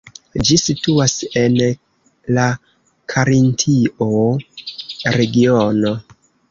Ĝi situas en la Karintio regiono.